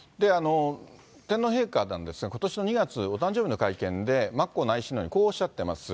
天皇陛下なんですが、ことしの２月、お誕生日の会見で、眞子内親王にこうおっしゃってます。